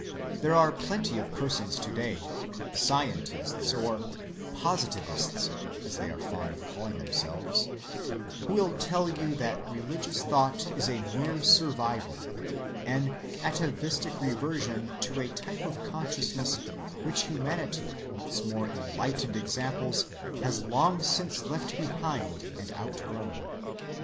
There are plenty of persons to‐day—"scientists" or "positivists," they are fond of calling themselves—who will tell you that religious thought is a mere survival, an atavistic reversion to a type of consciousness which humanity in its more enlightened examples has long since left behind and outgrown.